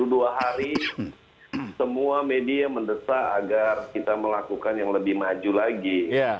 dua hari semua media mendesak agar kita melakukan yang lebih maju lagi